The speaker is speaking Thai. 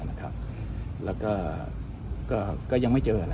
มองว่าเป็นการสกัดท่านหรือเปล่าครับเพราะว่าท่านก็อยู่ในตำแหน่งรองพอด้วยในช่วงนี้นะครับ